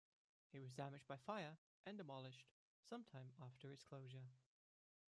It was damaged by fire and demolished, some time after its closure.